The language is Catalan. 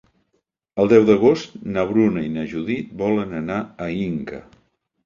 El deu d'agost na Bruna i na Judit volen anar a Inca.